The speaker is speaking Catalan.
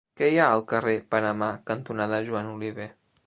Què hi ha al carrer Panamà cantonada Joan Oliver?